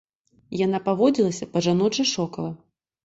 Яна паводзілася па-жаночы шокава.